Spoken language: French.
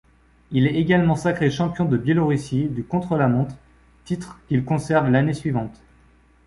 Il est également sacré Champion de Biélorussie du contre-la-montre, titre qu'il conserve l'année suivante.